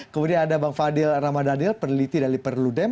kemudian ada bang fadil ramadhanil peneliti dari perludem